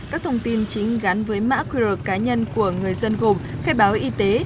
các thông tin chính gắn với mã qr cá nhân của người dân gồm khai báo y tế